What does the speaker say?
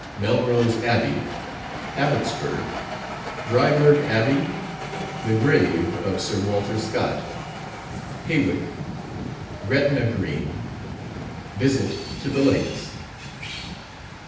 _Melrose Abbey Abbotsford Dryburgh Abbey The Grave of Sir Walter Scott Hawick Gretna Green Visit to the Lakes.